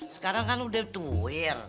sekarang kan udah tua